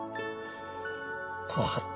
「怖かった。